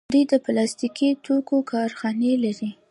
دوی د پلاستیکي توکو کارخانې لري.